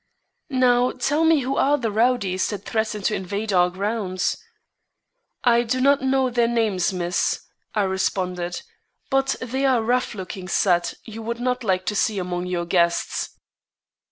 "Now, tell me who are the rowdies that threaten to invade our grounds?" "I do not know their names, miss," I responded; "but they are a rough looking set you would not like to see among your guests."